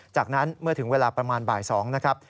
จากนั้นเมื่อถึงเวลาประมาณบ่าย๒นะครับ